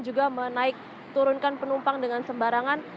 juga menaik turunkan penumpang dengan sembarangan